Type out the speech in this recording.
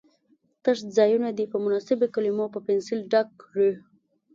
تش ځایونه دې په مناسبو کلمو په پنسل ډک کړي.